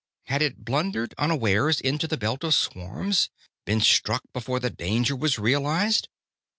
Had it blundered unawares into the belt of swarms been struck before the danger was realized?